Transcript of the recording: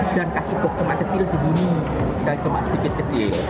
dan kasih pokok kemak kecil segini dan cuma sedikit kecil